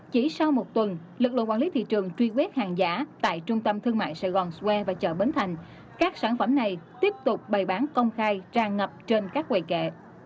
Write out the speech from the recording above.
chỉ sau một tuần lực lượng quản lý thị trường truy quét hàng giả tại trung tâm thương mại sài gòn sware và chợ bến thành các sản phẩm này tiếp tục bày bán công khai tràn ngập trên các quầy kệ